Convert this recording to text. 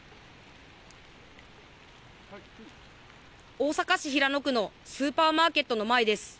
大阪市平野区のスーパーマーケットの前です。